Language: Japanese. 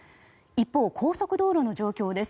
一方、高速道路の状況です。